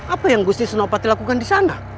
apa yang gusti senopati lakukan disana